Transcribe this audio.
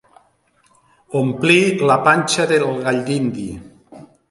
Omplí la panxa del galldindi.